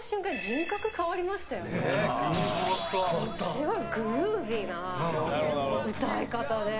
すごい、グルーヴィーな歌い方で。